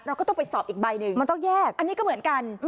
ก็ต้องไปสอบอีกใบหนึ่งมันต้องแยกอันนี้ก็เหมือนกัน